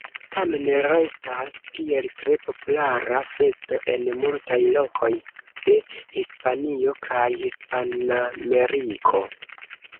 Tamen restas kiel tre populara festo en multaj lokoj de Hispanio kaj Hispanameriko.